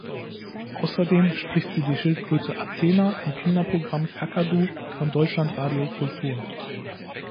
Außerdem spricht sie die Schildkröte Athena im Kinderprogramm "Kakadu" von Deutschlandradio Kultur.